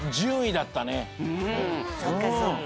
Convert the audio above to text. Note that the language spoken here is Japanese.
そっかそっか。